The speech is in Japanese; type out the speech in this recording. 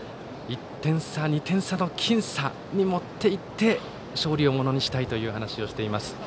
１点差、２点差の僅差に持っていって勝利をものにしたいという話をしています。